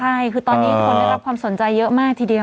ใช่คือตอนนี้คนได้รับความสนใจเยอะมากทีเดียว